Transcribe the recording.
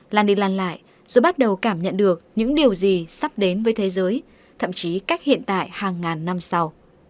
bà sẽ nhìn lại rồi bắt đầu cảm nhận được những điều gì sắp đến với thế giới thậm chí cách hiện tại hàng ngàn năm sau